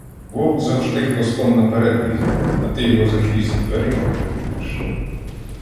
Вовк завжди хвостом наперед лізе, а ти його за хвіст дверима й припнеш.